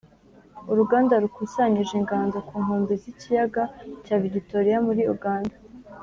Uruganda rukusanyije inganzo ku nkombe z’ikiyaga cya Vigitoriya muri Uganda